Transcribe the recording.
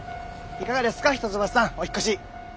いかがですか一橋さんお引っ越し。